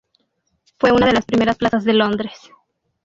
Fue una de las primeras plazas de Londres.